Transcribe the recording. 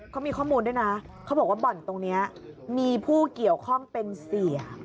เขามีข้อมูลด้วยนะเขาบอกว่าบ่อนตรงนี้มีผู้เกี่ยวข้องเป็นเสีย